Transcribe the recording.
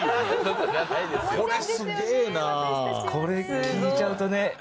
これ聞いちゃうとね。